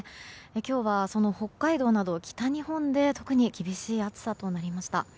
今日は、その北海道など北日本で特に厳しい暑さとなりました。